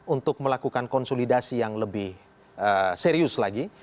untuk melakukan konsolidasi yang lebih serius lagi